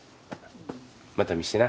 また見してな。